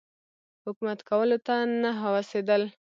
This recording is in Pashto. حکومت کولو ته نه هوسېدل.